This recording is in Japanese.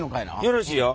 よろしいよ。